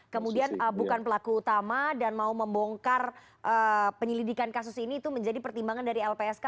kemudian bukan pelaku utama dan mau membongkar penyelidikan kasus ini itu menjadi pertimbangan dari lpsk